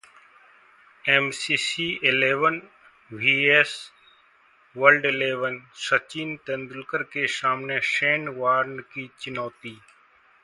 MCC eleven vs world eleven Sachin Tendulkar के सामने Shane Warne की चुनौती